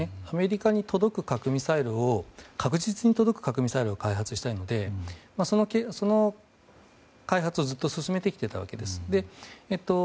アメリカに届く核・ミサイルを確実に届く核・ミサイルを開発したいのでその開発をずっとずっと進めてきたわけです。